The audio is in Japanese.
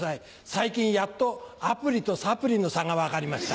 最近やっとアプリとサプリの差が分かりました。